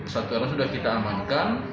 satu orang sudah kita amankan